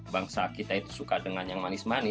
bangsa kita itu suka dengan yang manis manis